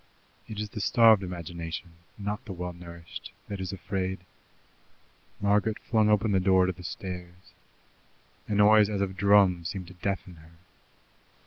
It is the starved imagination, not the well nourished, that is afraid. Margaret flung open the door to the stairs. A noise as of drums seemed to deafen her.